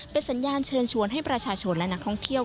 เป็นสัญญาณเชิญชวนให้ประชาชนและนักท่องเที่ยว